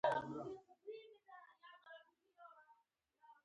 جنګي جت الوتکو